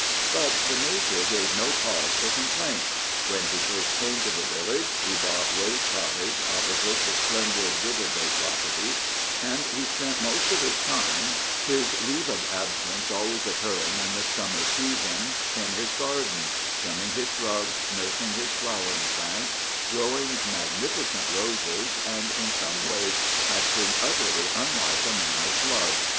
But the major gave no cause for complaint. When he first came to the village he bought Rose Cottage, opposite the splendid Wittleday property, and he spent most of his time (his leave of absence always occurring in the Summer season) in his garden, trimming his shrubs, nursing his flowering plants, growing magnificent roses, and in all ways acting utterly unlike a man of blood.